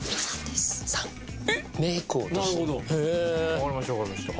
わかりましたわかりました。